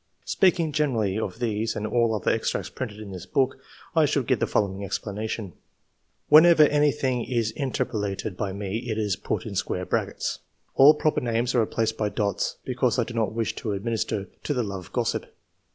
Speaking generally of these and all other extracts printed in this book, I should give the following explanation: — Whenever anything is interpolated by me it is put in square brackets []. All proper names are replaced by dots, because I do not wish to administer to the love of gossip.